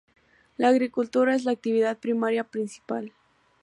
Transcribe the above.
La agricultura es la actividad primaria principal.